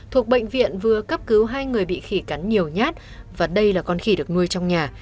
thuộc bệnh viện vừa cấp cứu hai người bị khỉ cắn nhiều nhát và đây là con khỉ được nuôi trong nhà